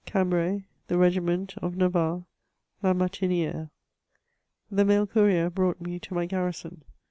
CAMB&AT — THE RB6IMBNT OF NAVABRX ^LA MARTINIBKB. The mail courier brought me to my garrison.